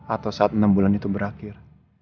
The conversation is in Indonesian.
atau saat enam bulan itu berakhir